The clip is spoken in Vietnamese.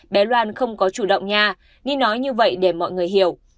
bé loan không có chủ động nha ni nói như vậy để mọi người hiểu